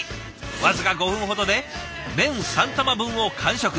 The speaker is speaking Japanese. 僅か５分ほどで麺３玉分を完食。